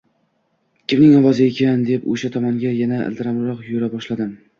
Kimning ovozi ekan, deb o`sha tomonga yana ildamroq yura boshladim